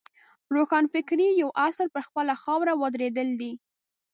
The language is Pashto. روښانفکرۍ یو اصل پر خپله خاوره ودرېدل دي.